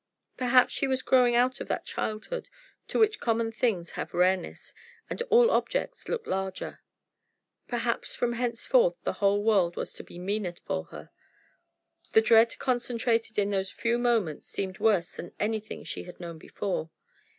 Perhaps she was growing out of that childhood to which common things have rareness, and all objects look larger. Perhaps from henceforth the whole world was to be meaner for her. The dread concentrated in those few moments seemed worse than anything she had known before.